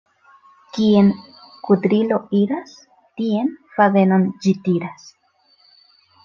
Kien kudrilo iras, tien fadenon ĝi tiras.